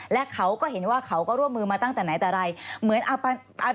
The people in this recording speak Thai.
และเขาก็เห็นว่าเขาก็ร่วมมือมาตั้งแต่ไหนแต่ไรเหมือน